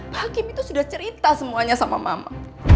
pak kim itu sudah cerita semuanya sama mama